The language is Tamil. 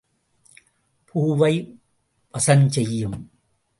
பூவை வசம் செய்யும்.